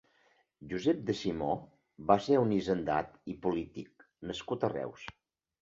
Josep de Simó va ser un hisendat i polític nascut a Reus.